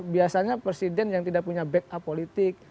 biasanya presiden yang tidak punya backup politik